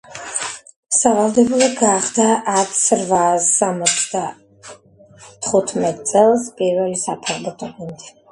სავალდებულო გახდა ათს რვაას სამოცდა თხუთმეტი წელს პირველი საფეხბურთო გუნდი.